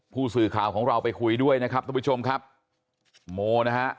ผู้สื่อข่าวของเราไปคุยด้วยนะครับทุกผู้ชมครับโมนะฮะ